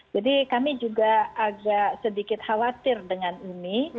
jadi kami juga agak sedikit khawatir dengan ini